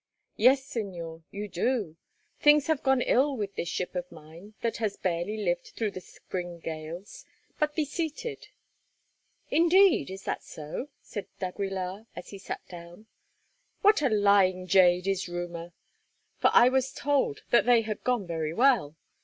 "Yes, Señor, you do. Things have gone ill with this ship of mine that has barely lived through the spring gales. But be seated." "Indeed, is that so?" said d'Aguilar as he sat down. "What a lying jade is rumour! For I was told that they had gone very well.